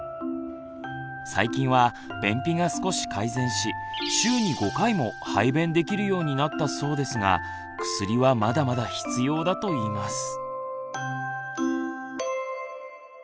最近は便秘が少し改善し週に５回も排便できるようになったそうですが薬はまだまだ必要だといいます。